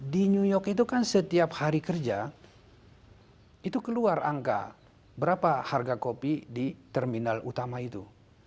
di new york itu kan setiap hari kerja itu keluar angka berapa harga kopi di terminal utama itu